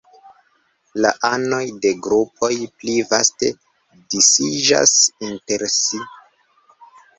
La anoj de grupoj pli vaste disiĝas inter si.